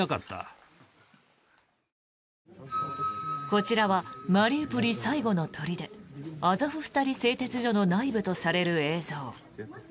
こちらはマリウポリ最後の砦アゾフスタリ製鉄所の内部とされる映像。